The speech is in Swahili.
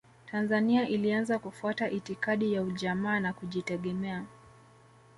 Tanzania ilianza kufuata itikadi ya ujamaa na kujitegemea